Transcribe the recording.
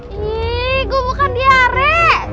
ih gue bukan diare